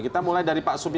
kita mulai dari pak supyadin